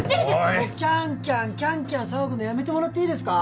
もうキャンキャンキャンキャン騒ぐのやめてもらっていいですか？